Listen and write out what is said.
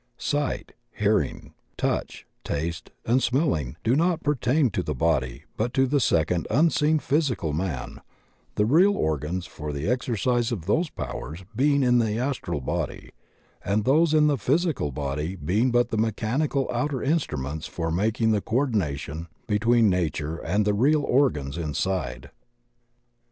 Sight, hearing, touch, taste, and smelling do not per tain to the body but to tiie second unseen physical man, the real organs for the exercise of those powers being in the Astral Body, and those in the physical body being but the mechanical outer instruments for making the coordination between nature and the real organs inside.